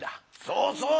そうそう。